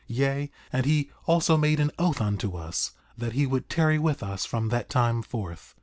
Yea, and he also made an oath unto us that he would tarry with us from that time forth.